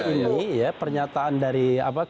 ini ya pernyataan dari